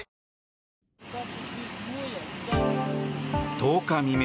１０日未明